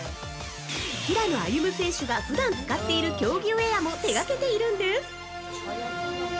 平野歩夢選手が普段使っている競技ウェアも手がけているんです。